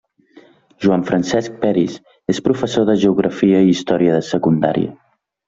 Joan Francesc Peris és professor de Geografia i Història de Secundària.